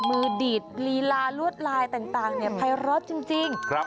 มือดีดลีลารวดลายต่างเนี่ยไพร็อตจริง